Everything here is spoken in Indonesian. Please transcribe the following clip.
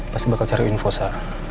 pasti bakal cari info sa